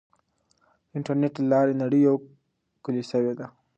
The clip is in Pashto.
د انټرنیټ له لارې نړۍ یو کلی سوی دی.